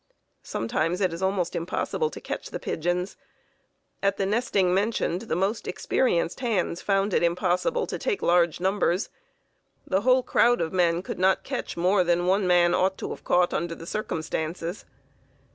Sometimes it is almost impossible to catch the pigeons. At the nesting mentioned the most experienced hands found it impossible to take large numbers. The whole crowd of men could not catch more than one man ought to have caught under the circumstances.